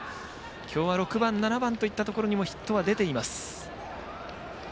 今日は６番、７番といったところにもヒットは出ています。